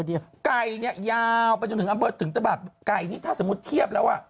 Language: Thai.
ไก่เนี่ยยาวไปจนถึงอำเภอถึงตบาทไก่นี่ถ้าสมมุติเทียบแล้วอ่ะ